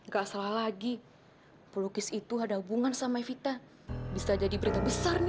gak salah lagi pelukis itu ada hubungan sama vita bisa jadi berita besar nih